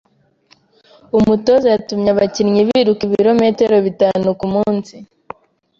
Umutoza yatumye abakinnyi biruka ibirometero bitanu kumunsi.